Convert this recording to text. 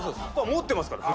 持ってますから札。